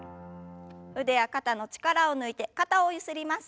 腕や肩の力を抜いて肩をゆすります。